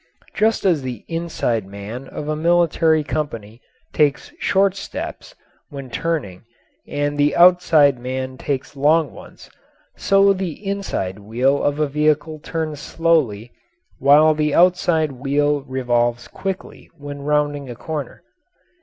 Just as the inside man of a military company takes short steps when turning and the outside man takes long ones, so the inside wheel of a vehicle turns slowly while the outside wheel revolves quickly when rounding a corner.